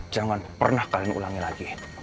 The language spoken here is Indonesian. jangan pernah kalian ulangi lagi